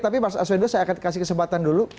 tapi mas arswendo saya akan kasih kesempatan dulu